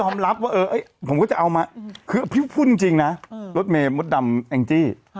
ไม่หรอกแต่ด่าได้ผมเป็นคนแฟร์แฟร์